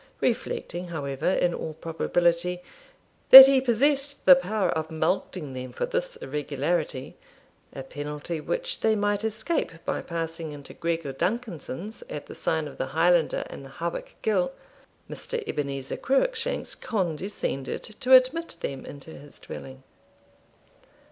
Reflecting, however, in all probability, that he possessed the power of mulcting them for this irregularity, a penalty which they might escape by passing into Gregor Duncanson's, at the sign of the Highlander and the Hawick Gill, Mr. Ebenezer Cruickshanks condescended to admit them into his dwelling.